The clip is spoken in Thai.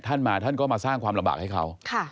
ท่านมาท่านก็มาสร้างความลำบากให้เขา